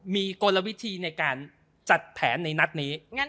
มีกลโกลวิธีในการจัดแผนนักนี้